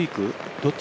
どっち？